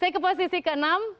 saya ke posisi ke enam